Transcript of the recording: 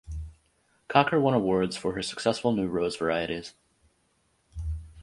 Cocker won awards for her successful new rose varieties.